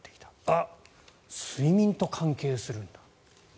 あ、睡眠と関係するんだ。